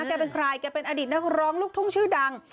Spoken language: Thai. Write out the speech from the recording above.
แกเป็นใครแกเป็นอดีตนักร้องลูกทุ่งชื่อดัง